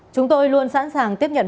chúng tôi luôn sẵn sàng tiếp nhận